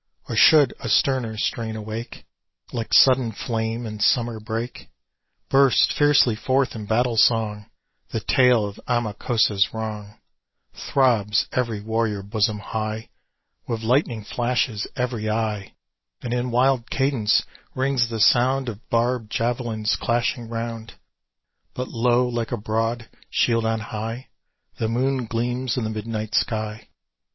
Or should a sterner strain awake, Like sudden flame in summer brake, Bursts fiercely forth in battle song The tale of Amakósa's wrong; Throbs every warrior bosom high, With lightning flashes every eye, And, in wild cadence, rings the sound Of barbèd javelins clashing round. But, lo! like a broad shield on high, The moon gleams in the midnight sky.